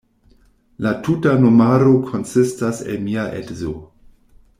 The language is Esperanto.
La tuta nomaro konsistas el mia edzo.